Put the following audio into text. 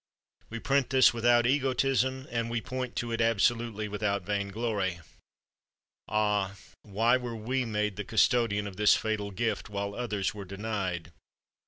We print this without egotism, and we point to it absolutely without vain glory. "Ah, why were we made the custodian of this fatal gift, while others were denied?